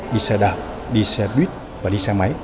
đi xe đạp đi xe buýt và đi xe máy